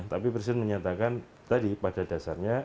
tapi presiden menyatakan tadi pada dasarnya